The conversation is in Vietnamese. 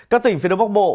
các tỉnh phía đông bắc bộ